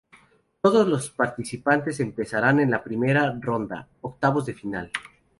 Todos los participantes empezarán en la Primera ronda —Octavos de final—.